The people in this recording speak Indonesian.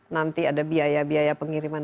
nanti ada biaya biaya pengiriman